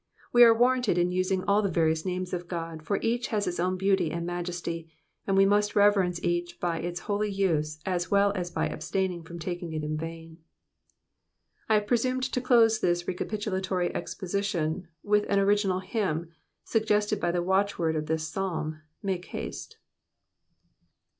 , We are warranted in using all the various names of God, for each has its own beauty and majesty, and we must reverence each by its holy use as well as by abstaining from taking it in vain. I have presumed to close this recapitulatory exposition with an original hymn, suggested by the watchword of this Psalm, Make Hastb."